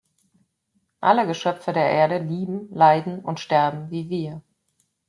Alle Geschöpfe der Erde lieben, leiden und sterben wie wir.